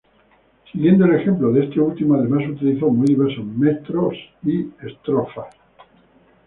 Siguiendo el ejemplo de este último, además, utilizó muy diversos metros y estrofas.